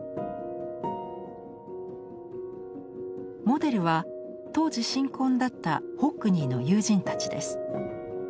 モデルは当時新婚だったホックニーの友人たちです。